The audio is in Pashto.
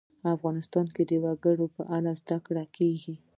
افغانستان کې د وګړي په اړه زده کړه کېږي.